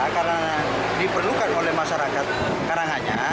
karena diperlukan oleh masyarakat karangannya